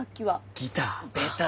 ギター。